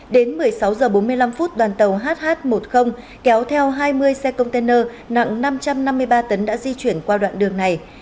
đến một mươi sáu h bốn mươi năm đoàn tàu hh một mươi kéo theo hai mươi xe container nặng năm trăm năm mươi ba tấn đã di chuyển qua đoạn đường này